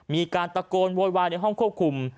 มีการตะโกนโวยวายในห้องควบคุม